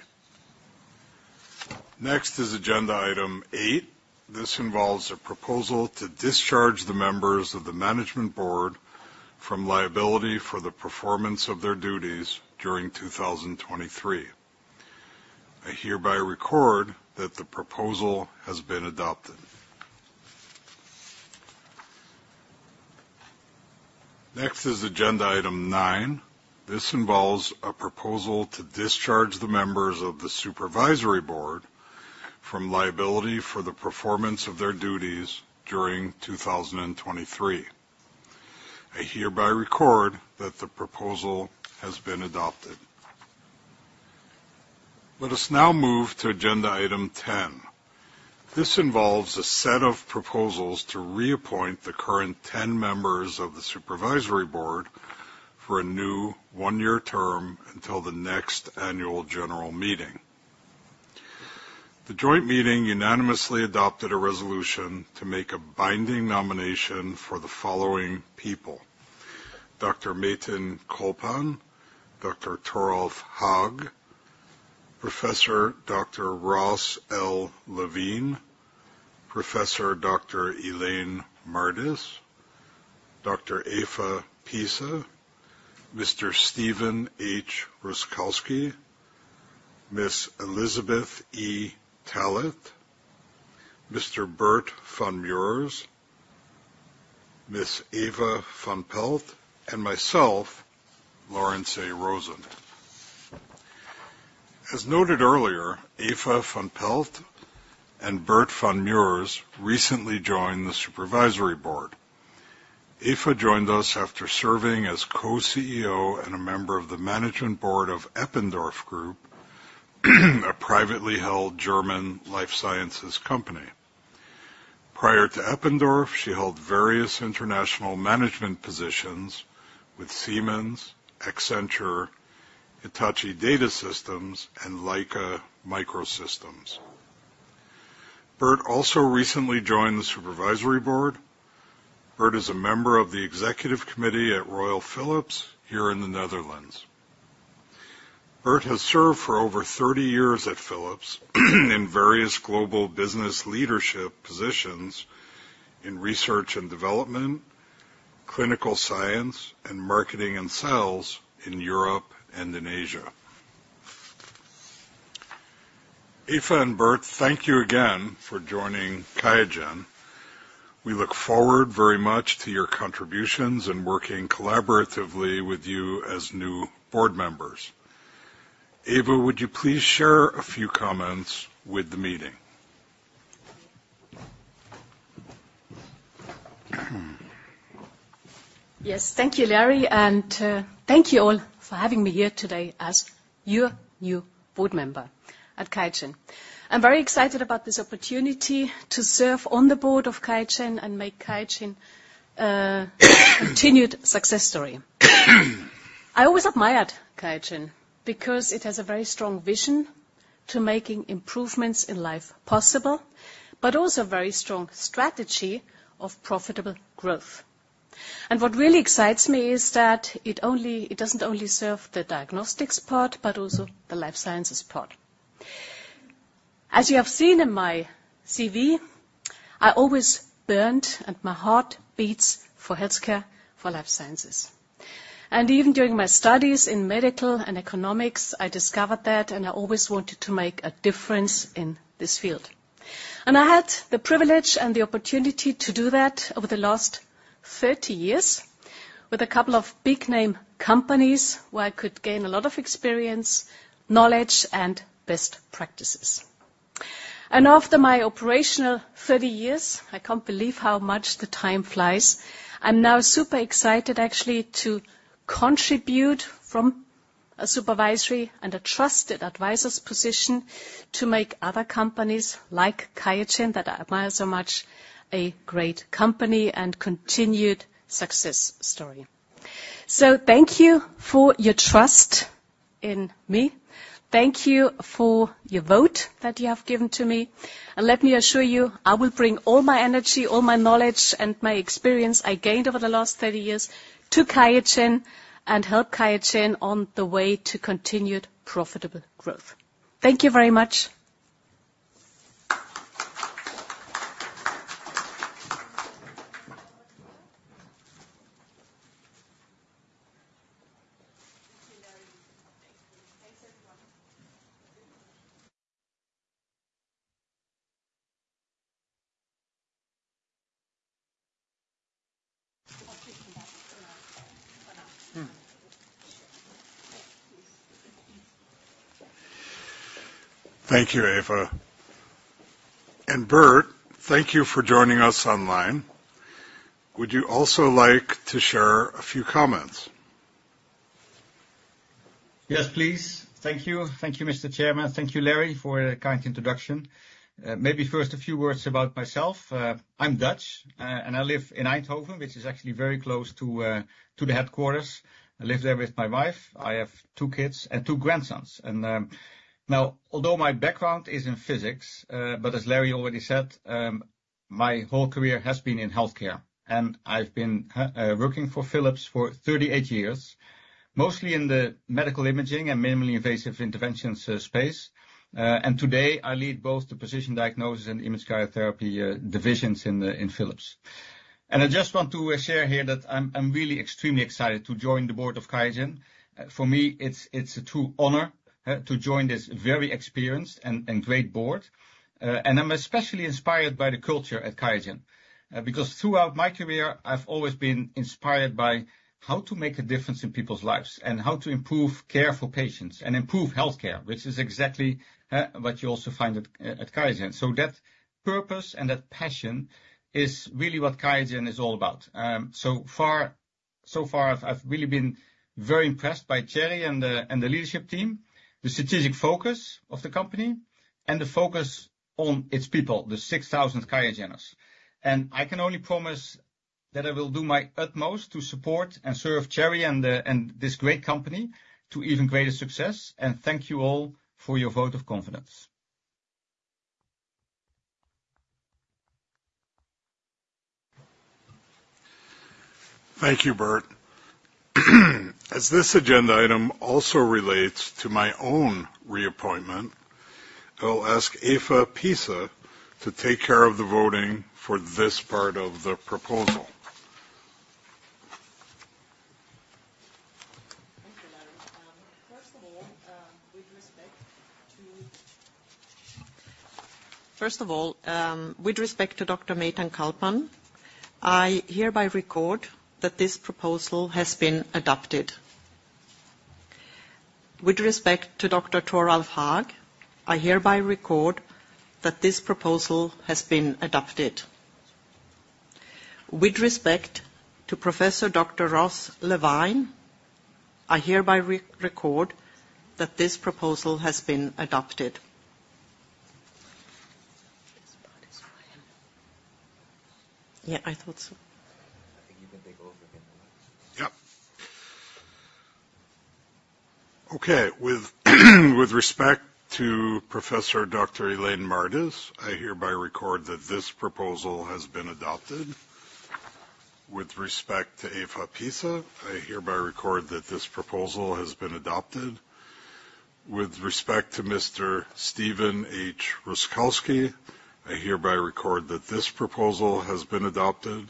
Next is agenda item 8. This involves a proposal to discharge the members of the management board from liability for the performance of their duties during 2023. I hereby record that the proposal has been adopted. Next is agenda item 9. This involves a proposal to discharge the members of the supervisory board from liability for the performance of their duties during 2023. I hereby record that the proposal has been adopted. Let us now move to agenda item 10. This involves a set of proposals to reappoint the current 10 members of the supervisory board for a new one-year term until the next annual general meeting. The joint meeting unanimously adopted a resolution to make a binding nomination for the following people: Dr. Metin Colpan, Dr. Toralf Haag, Professor Dr. Ross L. Levine, Professor Dr. Elaine Mardis, Dr. Eva Pisa, Mr. Stephen H. Rusckowski, Ms. Elizabeth E. Tallett, Mr. Bert van Meurs, Ms. Eva van Pelt, and myself, Lawrence A. Rosen. As noted earlier, Eva van Pelt and Bert van Meurs recently joined the supervisory board. Eva joined us after serving as co-CEO and a member of the management board of Eppendorf Group, a privately held German life sciences company. Prior to Eppendorf, she held various international management positions with Siemens, Accenture, Hitachi Data Systems, and Leica Microsystems. Bert also recently joined the supervisory board. Bert is a member of the executive committee at Royal Philips here in the Netherlands. Bert has served for over 30 years at Philips in various global business leadership positions in research and development, clinical science, and marketing and sales in Europe and in Asia. Eva and Bert, thank you again for joining Qiagen. We look forward very much to your contributions and working collaboratively with you as new board members. Eva, would you please share a few comments with the meeting? Yes, thank you, Larry, and thank you all for having me here today as your new board member at Qiagen. I'm very excited about this opportunity to serve on the board of Qiagen and make Qiagen a continued success story. I always admired Qiagen because it has a very strong vision to make improvements in life possible, but also a very strong strategy of profitable growth, and what really excites me is that it doesn't only serve the diagnostics part, but also the life sciences part. As you have seen in my CV, I always yearned, and my heart beats for healthcare, for life sciences, and even during my studies in medicine and economics, I discovered that, and I always wanted to make a difference in this field. I had the privilege and the opportunity to do that over the last 30 years with a couple of big-name companies where I could gain a lot of experience, knowledge, and best practices. After my operational 30 years, I can't believe how much the time flies. I'm now super excited, actually, to contribute from a supervisory and a trusted advisor's position to make other companies like Qiagen, that I admire so much, a great company and continued success story. Thank you for your trust in me. Thank you for your vote that you have given to me. Let me assure you, I will bring all my energy, all my knowledge, and my experience I gained over the last 30 years to Qiagen and help Qiagen on the way to continued profitable growth. Thank you very much. Thank you, Eva. Bert, thank you for joining us online. Would you also like to share a few comments? Yes, please. Thank you. Thank you, Mr. Chairman. Thank you, Larry, for the kind introduction. Maybe first, a few words about myself. I'm Dutch, and I live in Eindhoven, which is actually very close to the headquarters. I live there with my wife. I have two kids and two grandsons. Now, although my background is in physics, but as Larry already said, my whole career has been in healthcare. I've been working for Philips for 38 years, mostly in the medical imaging and minimally invasive interventions space. Today, I lead both the Precision Diagnosis and Image Guided Therapy divisions in Philips. I just want to share here that I'm really extremely excited to join the board of Qiagen. For me, it's a true honor to join this very experienced and great board, and I'm especially inspired by the culture at Qiagen because throughout my career, I've always been inspired by how to make a difference in people's lives and how to improve care for patients and improve healthcare, which is exactly what you also find at Qiagen, so that purpose and that passion is really what Qiagen is all about. So far, I've really been very impressed by Thierry and the leadership team, the strategic focus of the company, and the focus on its people, the 6,000 Qiageners, and I can only promise that I will do my utmost to support and serve Thierry and this great company to even greater success, and thank you all for your vote of confidence. Thank you, Bert. As this agenda item also relates to my own reappointment, I'll ask Eva Pisa to take care of the voting for this part of the proposal. Thank you Larry. First of all, with respect to Dr. Metin Colpan, I hereby record that this proposal has been adopted. With respect to Dr. Toralf Haag, I hereby record that this proposal has been adopted. With respect to Professor Dr. Ross Levine, I hereby record that this proposal has been adopted. Yeah, I thought so. I think you can take over again. Yeah. Okay. With respect to Professor Dr. Elaine Mardis, I hereby record that this proposal has been adopted. With respect to Eva Pisa, I hereby record that this proposal has been adopted. With respect to Mr. Stephen H. Rusckowski, I hereby record that this proposal has been adopted.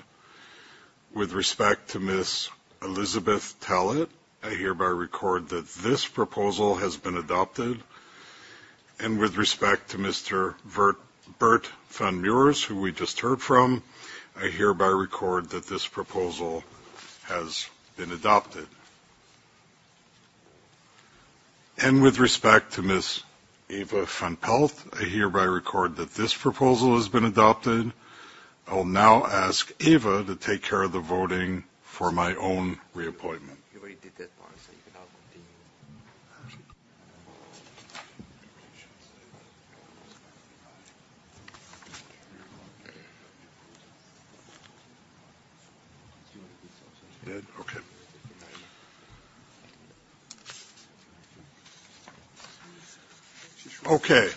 With respect to Ms. Elizabeth E. Tallett, I hereby record that this proposal has been adopted. And with respect to Mr. Bert van Meurs, who we just heard from, I hereby record that this proposal has been adopted. And with respect to Ms. Eva van Pelt, I hereby record that this proposal has been adopted. I will now ask Eva to take care of the voting for my own reappointment. Okay.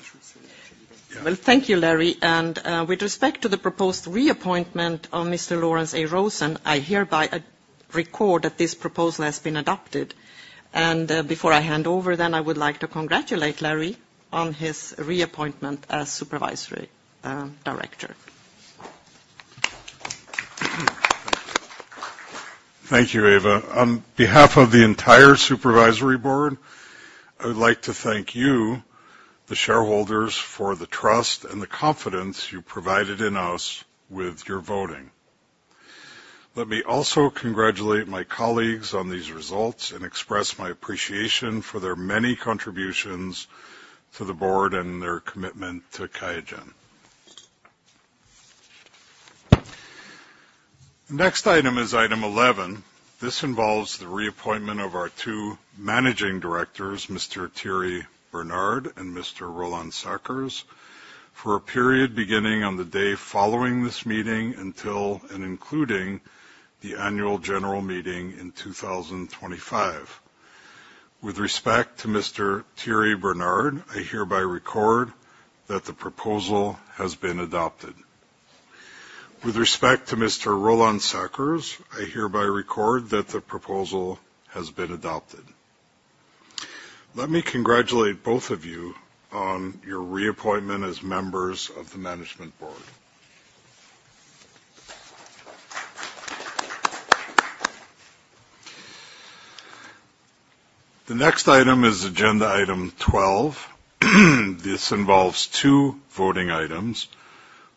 Well, thank you, Larry. And with respect to the proposed reappointment of Mr. Lawrence A. Rosen, I hereby record that this proposal has been adopted. And before I hand over, then I would like to congratulate Larry on his reappointment as supervisory director. Thank you, Eva. On behalf of the entire supervisory board, I would like to thank you, the shareholders, for the trust and the confidence you provided in us with your voting. Let me also congratulate my colleagues on these results and express my appreciation for their many contributions to the board and their commitment to Qiagen. The next item is item 11. This involves the reappointment of our two managing directors, Mr. Thierry Bernard and Mr. Roland Sackers, for a period beginning on the day following this meeting until and including the annual general meeting in 2025. With respect to Mr. Thierry Bernard, I hereby record that the proposal has been adopted. With respect to Mr. Roland Sackers, I hereby record that the proposal has been adopted. Let me congratulate both of you on your reappointment as members of the management board. The next item is agenda item 12. This involves two voting items.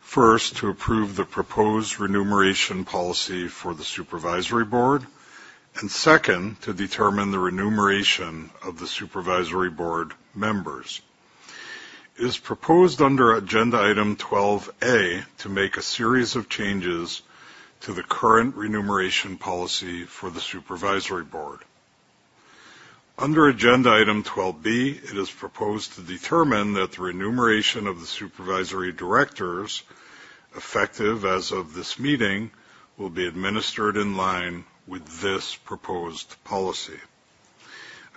First, to approve the proposed remuneration policy for the supervisory board, and second, to determine the remuneration of the supervisory board members. It is proposed under agenda item 12A to make a series of changes to the current remuneration policy for the supervisory board. Under agenda item 12B, it is proposed to determine that the remuneration of the supervisory directors effective as of this meeting will be administered in line with this proposed policy.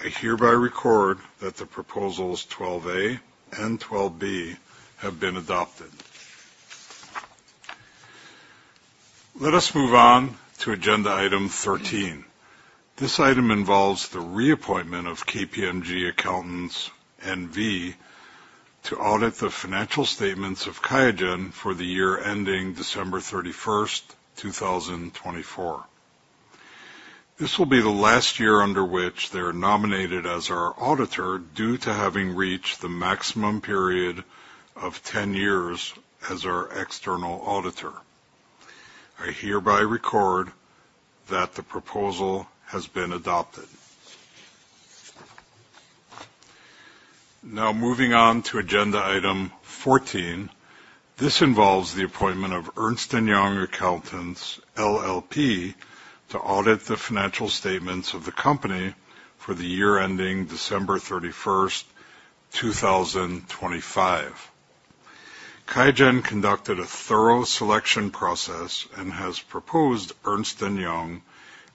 I hereby record that the proposals 12A and 12B have been adopted. Let us move on to agenda item 13. This item involves the reappointment of KPMG Accountants N.V. to audit the financial statements of Qiagen for the year ending December 31st, 2024. This will be the last year under which they are nominated as our auditor due to having reached the maximum period of 10 years as our external auditor. I hereby record that the proposal has been adopted. Now, moving on to agenda item 14, this involves the appointment of Ernst & Young Accountants LLP to audit the financial statements of the company for the year ending December 31st, 2025. Qiagen conducted a thorough selection process and has proposed Ernst & Young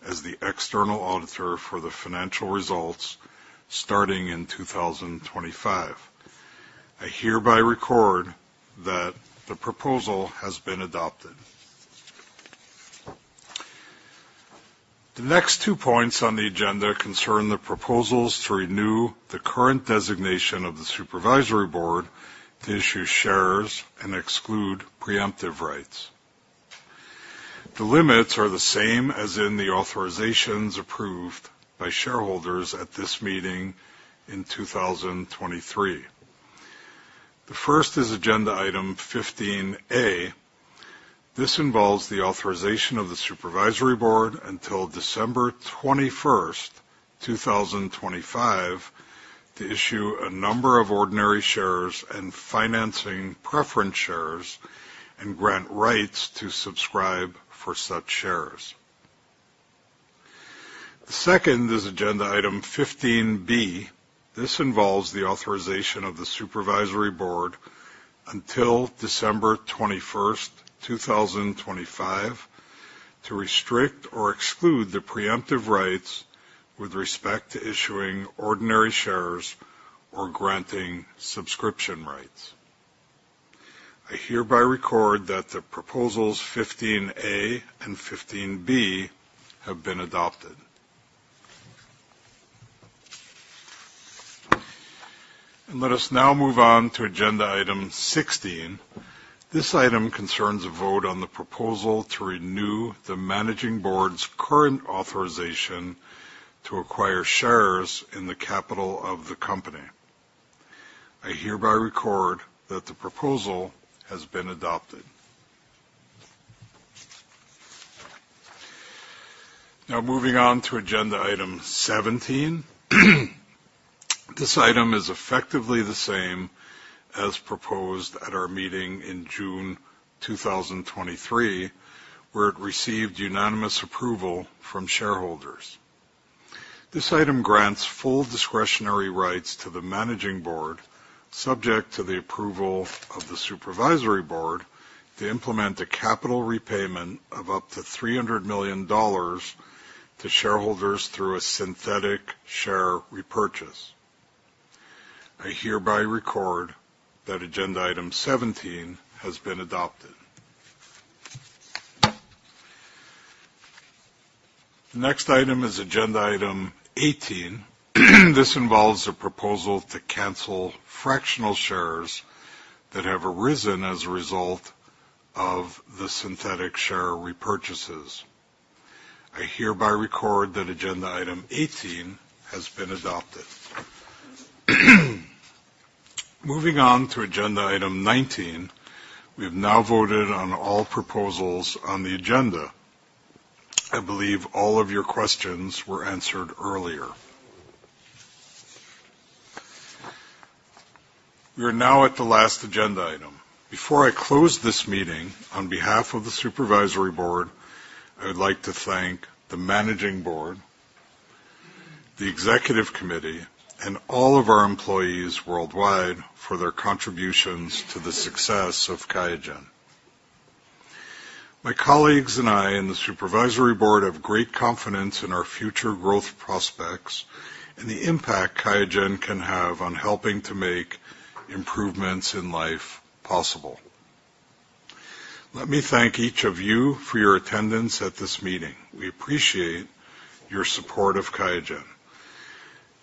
as the external auditor for the financial results starting in 2025. I hereby record that the proposal has been adopted. The next two points on the agenda concern the proposals to renew the current designation of the supervisory board to issue shares and exclude preemptive rights. The limits are the same as in the authorizations approved by shareholders at this meeting in 2023. The first is agenda item 15A. This involves the authorization of the supervisory board until December 21st, 2025, to issue a number of ordinary shares and financing preference shares and grant rights to subscribe for such shares. The second is agenda item 15B. This involves the authorization of the supervisory board until December 21st, 2025, to restrict or exclude the preemptive rights with respect to issuing ordinary shares or granting subscription rights. I hereby record that the proposals 15A and 15B have been adopted. Let us now move on to agenda item 16. This item concerns a vote on the proposal to renew the managing board's current authorization to acquire shares in the capital of the company. I hereby record that the proposal has been adopted. Now, moving on to agenda item 17. This item is effectively the same as proposed at our meeting in June 2023, where it received unanimous approval from shareholders. This item grants full discretionary rights to the managing board, subject to the approval of the supervisory board, to implement a capital repayment of up to $300 million to shareholders through a synthetic share repurchase. I hereby record that agenda item 17 has been adopted. The next item is agenda item 18. This involves a proposal to cancel fractional shares that have arisen as a result of the synthetic share repurchases. I hereby record that agenda item 18 has been adopted. Moving on to agenda item 19, we have now voted on all proposals on the agenda. I believe all of your questions were answered earlier. We are now at the last agenda item. Before I close this meeting, on behalf of the supervisory board, I would like to thank the managing board, the executive committee, and all of our employees worldwide for their contributions to the success of Qiagen. My colleagues and I and the supervisory board have great confidence in our future growth prospects and the impact Qiagen can have on helping to make improvements in life possible. Let me thank each of you for your attendance at this meeting. We appreciate your support of Qiagen.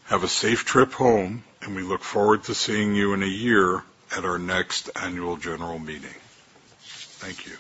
Have a safe trip home, and we look forward to seeing you in a year at our next annual general meeting. Thank you.